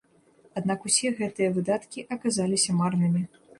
Аднак усе гэтыя выдаткі аказаліся марнымі.